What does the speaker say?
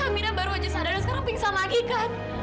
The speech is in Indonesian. amira baru saja sadar dan sekarang pingsan lagi kan